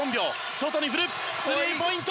外に振るスリーポイント！